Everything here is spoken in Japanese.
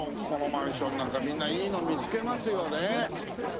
このマンションなんかみんないいの見つけますよね。